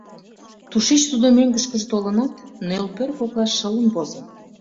Тушеч тудо мӧҥгышкыжӧ толынат, нӧлпер коклаш шылын возын.